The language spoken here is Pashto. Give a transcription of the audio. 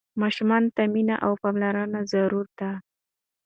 ماشومانو ته مينه او پاملرنه ضروري ده.